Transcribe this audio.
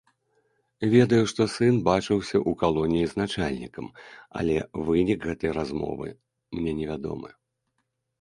Ведаю, што сын бачыўся ў калоніі з начальнікам, але вынік гэтай размовы мне невядомы.